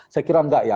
saya kira enggak ya